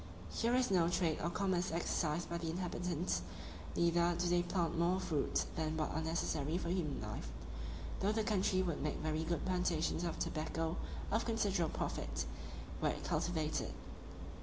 Here is no trade or commerce exercised by the inhabitants; neither do they plant more fruits than what are necessary for human life, though the country would make very good plantations of tobacco of considerable profit, were it cultivated.